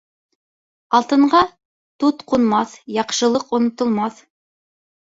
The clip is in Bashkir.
Алтынға тут ҡунмаҫ, яҡшылыҡ онотолмаҫ.